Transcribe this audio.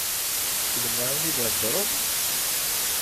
S lemεun i theddreḍ?